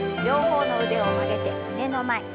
両方の腕を曲げて胸の前。